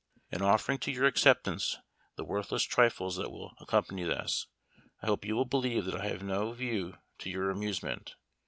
In offering to your acceptance the worthless trifles that will accompany this, I hope you will believe that I have no view to your amusement.